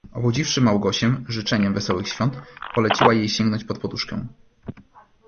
"Obudziwszy Małgosię życzeniem wesołych świąt, poleciła jej sięgnąć pod poduszkę."